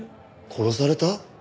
殺された！？